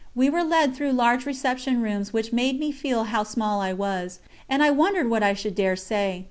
We were led through large reception rooms which made me feel how small I was, and I wondered what I should dare say.